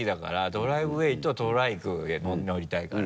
ドライブウェイとトライクで乗りたいから。